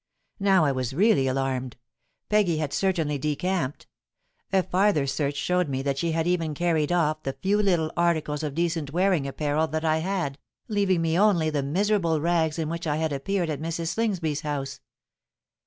Now I was really alarmed: Peggy had certainly decamped. A farther search showed me that she had even carried off the few little articles of decent wearing apparel that I had, leaving me only the miserable rags in which I had appeared at Mrs. Slingsby's house.